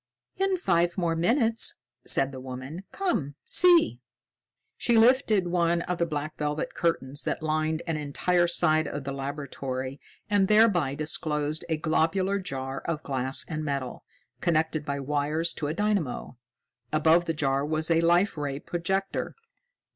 "In five more minutes," said the woman. "Come see." She lifted one of the black velvet curtains that lined an entire side of the laboratory and thereby disclosed a globular jar of glass and metal, connected by wires to a dynamo. Above the jar was a Life Ray projector.